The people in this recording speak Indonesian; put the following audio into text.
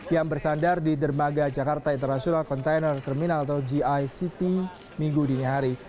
yang bersandar di dermaga jakarta international container terminal atau gict minggu dini hari